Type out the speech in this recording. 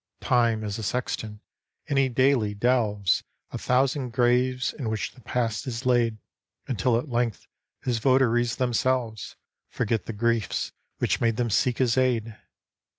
Time is a Sexton — and he daily delves A thousand graves in which the Past is laid, Until at length his votaries themselves Forget the griefs which made them seek his aid